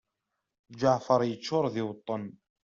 Ǧeɛfer yeččur d iweṭṭen.